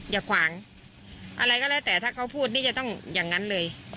อย่าขวางอะไรก็แล้วแต่ถ้าเขาพูดนี่จะต้องอย่างนั้นเลย